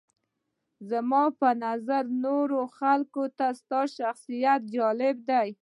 زما په نظر نورو خلکو ته ستا شخصیت جالبه دی.